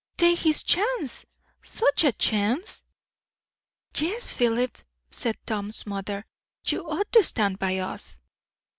"Take his chance! Such a chance!" "Yes, Philip," said Tom's mother; "you ought to stand by us."